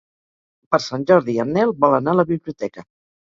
Per Sant Jordi en Nel vol anar a la biblioteca.